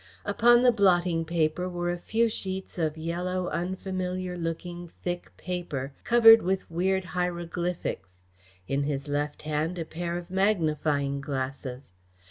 Upon the blotting paper were a few sheets of yellow, unfamiliar looking, thick paper, covered with weird hieroglyphics; in his left hand a pair of magnifying glasses.